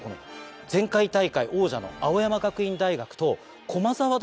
前回大会王者の青山学院大学と駒澤大学